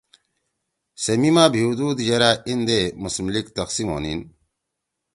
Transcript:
سے میِما بھیُؤدُود یرأ ایندے مسلم لیگ تقسیم ہونیِن